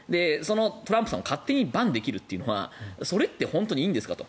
トランプさんを勝手にバンできるというのはそれって本当にいいんですかと。